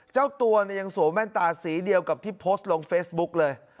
เจ้าตัวเนี่ยยังสวมแว่นตาสีเดียวกับที่โพสต์ลงเฟซบุ๊กเลย